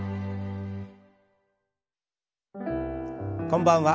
こんばんは。